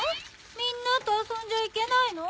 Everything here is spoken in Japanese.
みんなとあそんじゃいけないの？